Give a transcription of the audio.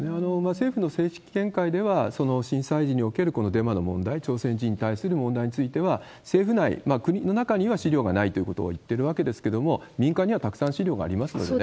政府の正式見解では、震災時におけるこのデマの問題、朝鮮人に対する問題については、政府内、国の中には資料がないということを言ってるわけですけれども、民間にはたくさん資料がありますのでね。